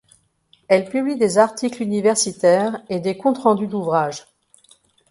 Elle publie des articles universitaires et des comptes rendus d'ouvrages.